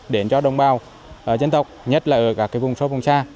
đến cho đồng bào dân tộc nhất là ở các vùng sâu vùng xa